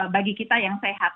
bagi kita yang sehat